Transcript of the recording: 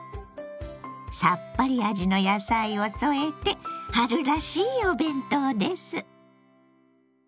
さっぱり味の野菜を添えて春らしいお弁当です。